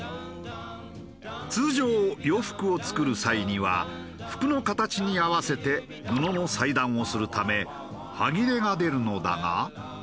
通常洋服を作る際には服の形に合わせて布の裁断をするため端切れが出るのだが。